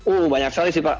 uh banyak sekali sih pak